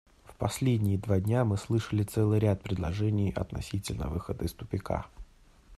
В последние два дня мы слышали целый ряд предложений относительно выхода из тупика.